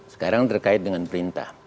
sekarang terkait dengan perintah